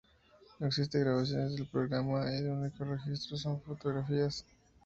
No existen grabaciones del programa y el único registro son fotografías.